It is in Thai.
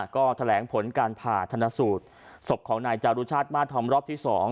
ก็แถลงผลการผ่าชนะสูตรศพของนายจารุชาติมาธอมรอบที่๒